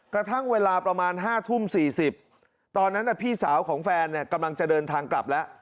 กระทั่งเวลาประมาณ๕ทุ่ม๔๐ตอนนั้นพี่สาวของแฟนกำลังจะเดินทางกลับแล้ว